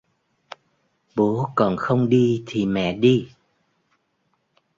Bố còn không đi thì mẹ đi